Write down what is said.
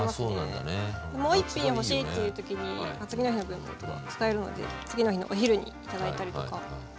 もう一品欲しいっていう時に次の日の分も使えるので次の日のお昼に頂いたりとか。